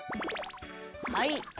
はい！